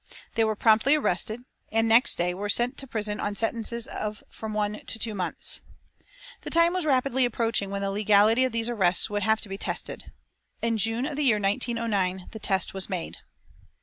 They were promptly arrested and, next day, were sent to prison on sentences of from one to two months. The time was rapidly approaching when the legality of these arrests would have to be tested. In June of the year 1909 the test was made.